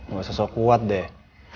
gak usah sok kuat deh